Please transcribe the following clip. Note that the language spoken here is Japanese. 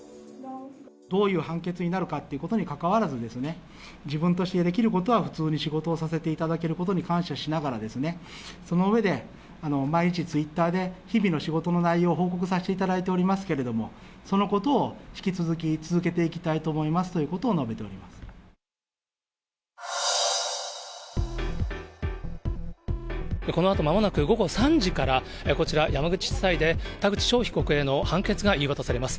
どういう判決になるかということにかかわらず、自分としてできることは普通に仕事をさせていただけることに感謝しながらですね、その上で、毎日、ツイッターで、日々の仕事の内容を報告させていただいておりますけれども、そのことを引き続き続けていきたいと思いますということを述べてこのあとまもなく午後３時から、こちら、山口地裁で田口翔被告への判決が言い渡されます。